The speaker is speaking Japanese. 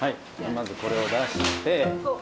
まずこれを出して。